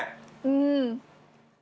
うん。